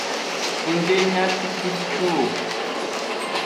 Ng de nya cucucu o.